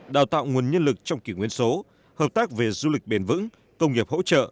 đào tạo nguồn nhân lực trong kỷ nguyên số hợp tác về du lịch bền vững công nghiệp hỗ trợ